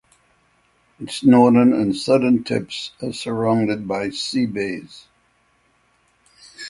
Its northern and southern tips are surrounded by sea bays.